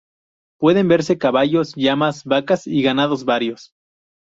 Pueden verse caballos, llamas, vacas y ganados varios.